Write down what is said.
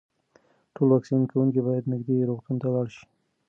ټول واکسین کوونکي باید نږدې روغتون ته لاړ شي.